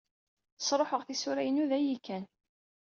Sṛuḥeɣ tisura-inu dayyi kan.